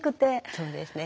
そうですね。